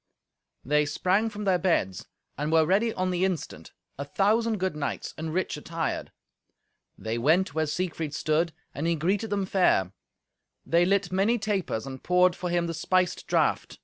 They sprang from their beds and were ready on the instant, a thousand good knights and rich attired. They went where Siegfried stood, and he greeted them fair. They lit many tapers, and poured for him the spiced draught.